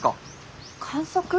観測？